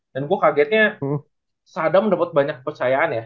dan gue kagetnya sadam dapet banyak percayaan ya